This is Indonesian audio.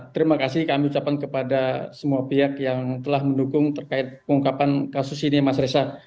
terima kasih kami ucapkan kepada semua pihak yang telah mendukung terkait pengungkapan kasus ini mas reza